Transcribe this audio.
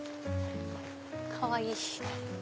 かわいい。